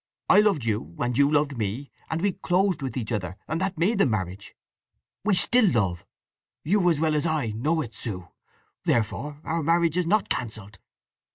I loved you, and you loved me; and we closed with each other; and that made the marriage. We still love—you as well as I—know it, Sue! Therefore our marriage is not cancelled."